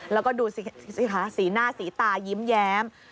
แล้วก็ดูสิคะสีหน้าสีตายิ้มแย้ม